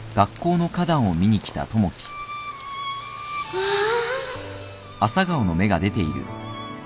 わあ